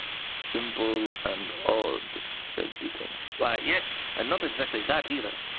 "Simple and odd?" said Dupin. "Why, yes; and not exactly that either.